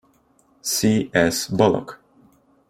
C. S. Bullock.